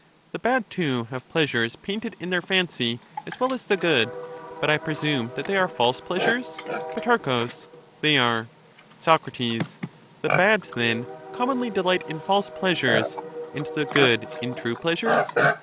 The bad, too, have pleasures painted in their fancy the gods, as well as the good; but I presume that they are false {^^^'^^ pleasures. pleasures Pro. They are. painted in Soc. The bad then commonly delight in false pleasures, fancies, and the good in true pleasures ?